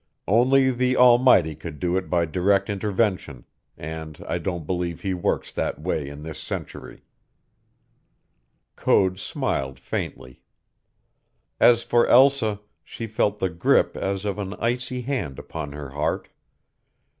Only the Almighty could do it by direct intervention, and I don't believe He works that way in this century," Code smiled faintly. As for Elsa, she felt the grip as of an icy hand upon her heart.